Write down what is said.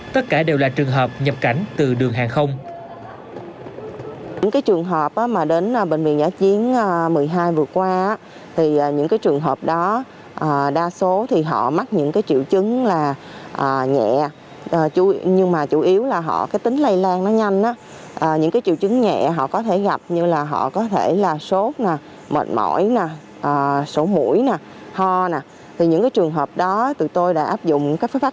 tất cả đều là trường hợp nhập cảnh từ đường hàng không